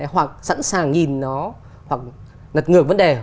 hoặc sẵn sàng nhìn nó hoặc lật ngược vấn đề